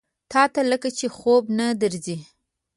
تاته لکه چې خوب نه درځي؟